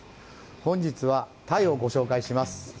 本日はタイをご紹介します。